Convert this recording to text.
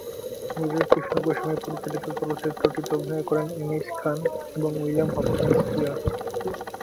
বিজয়কৃষ্ণ গোস্বামী পরিচালিত চলচ্চিত্রটিতে অভিনয় করেন এম এইচ খান এবং উইলিয়াম হপকিন্স পিয়ার্স।